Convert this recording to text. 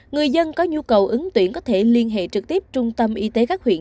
người dân có nhu cầu ứng tuyển có thể liên hệ trực tiếp trung tâm y tế các huyện